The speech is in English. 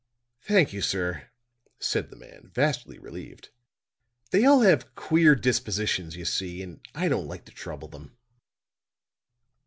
"Thank you, sir," said the man, vastly relieved. "They all have queer dispositions, you see, and I don't like to trouble them."